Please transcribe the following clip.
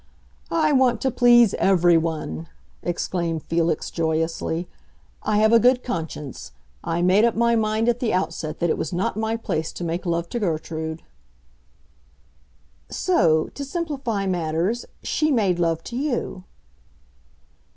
"I want to please everyone!" exclaimed Felix, joyously. "I have a good conscience. I made up my mind at the outset that it was not my place to make love to Gertrude." "So, to simplify matters, she made love to you!"